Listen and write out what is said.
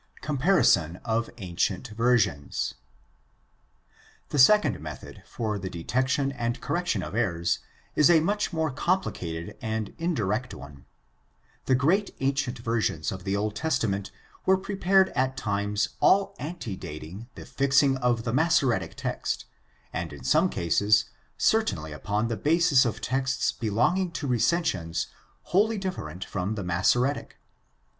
Comparison of ancient versions. — The second method for the detection and correction of errors is a much more compli cated and indirect one. The great ancient versions of the Old Testament were prepared at times all antedating the fixing of the Massoretic text and in some cases certainly upon the basis of texts belonging to recensions wholly different from the Massoretic.